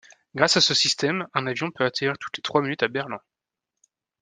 Grâce à ce système, un avion peut atterrir toutes les trois minutes à Berlin.